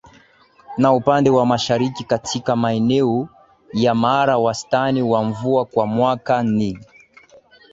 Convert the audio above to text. na upande wa Mashariki katika maeneo ya Mara wastani wa mvua kwa mwaka ni